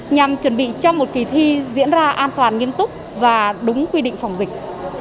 nhằm chuẩn bị cho một kỳ thi diễn ra an toàn nghiêm túc và đúng quy định phòng dịch